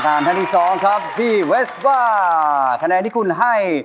สาแยนทั้งคู่เพลงเร็วทั้งคู่นะครับ